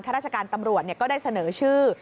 คัทราชการตำรวจเนี่ยก็ได้เสนอชื่อ